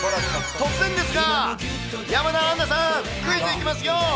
突然ですが、山田杏奈さん、クイズいきますよ。